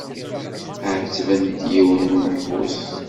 Ɛettbent yiwen n umeḥbus.